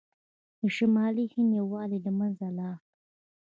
د شمالي هند یووالی له منځه لاړ.